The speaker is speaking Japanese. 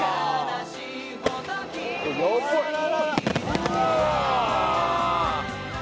うわ！